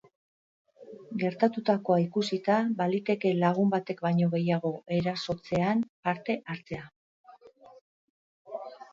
Gertatutakoa ikusita, baliteke lagun batek baino gehiago erasoetan parte hartzea.